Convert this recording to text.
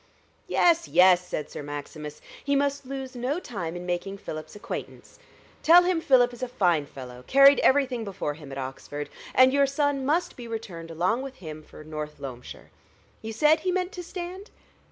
"Yes, yes!" said Sir Maximus; "he must lose no time in making Philip's acquaintance. Tell him Philip is a fine fellow carried everything before him at Oxford. And your son must be returned along with him for North Loamshire. You said he meant to stand?"